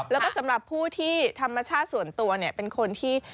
แล้วก็สำหรับผู้ที่ธรรมชาติส่วนตัวเป็นคนที่